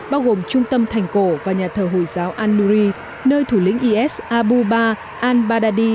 bao gồm trung tâm thành cổ và nhà thờ hồi giáo al nuri nơi thủ lĩnh is abu ba al badadi